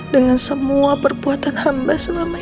dengan semua perbuatan hamba